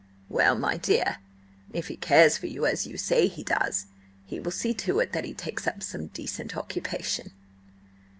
"Well, my dear, if he cares for you as you say he does, he will see to it that he takes up some decent occupation.